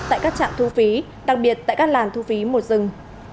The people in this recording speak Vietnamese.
tại các trạm thu phí đặc biệt tại các làn thu phí một dừng